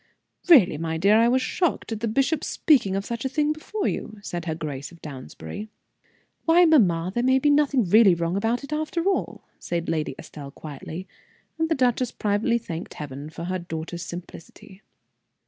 "Really, my dear, I was shocked at the bishop's speaking of such a thing before you," said her Grace of Downsbury. "Why, mamma, there may be nothing really wrong about it after all," said Lady Estelle, quietly, and the duchess privately thanked Heaven for her daughter's simplicity.